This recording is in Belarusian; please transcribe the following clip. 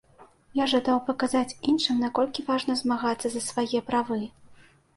Я жадаў паказаць іншым, наколькі важна змагацца за свае правы.